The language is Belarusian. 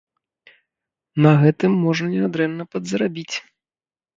На гэтым можна нядрэнна падзарабіць.